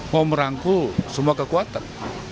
mau merangkul semua kekuatan